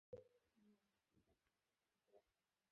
Ready, bro?